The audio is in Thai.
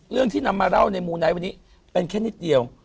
ที่นำมาเล่าในมูไนท์วันนี้เป็นแค่นิดเดียว